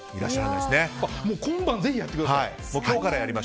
今晩ぜひやってください。